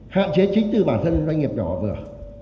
hạn chế chính từ bản thân doanh nghiệp nhỏ và vừa